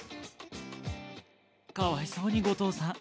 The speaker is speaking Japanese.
かわいそうに後藤さん。